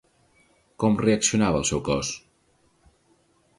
Com reaccionava el seu cos?